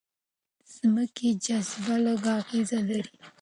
ځمکې جاذبه لږ اغېز لري.